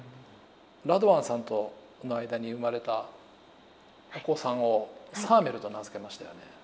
ラドワンさんとの間に生まれたお子さんをサーメルと名付けましたよね。